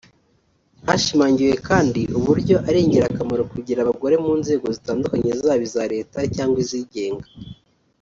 Hashimangiwe kandi uburyo ari ingirakamaro kugira abagore mu nzego zitandukanye zaba iza leta cyangwa izigenga